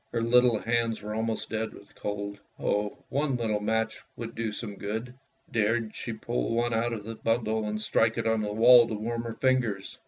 Her little hands were almost dead with cold. Oh, one little match would do some good ! Dared she pull one out of the bundle and strike it on the wall to warm her fingers!